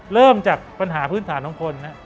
เริ่มจากปัญหาพื้นฐานของคน